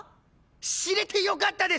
知れてよかったです！